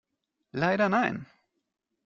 Leider nein.